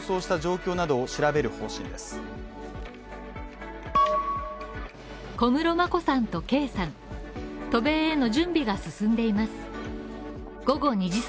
渡米への準備が進んでいます。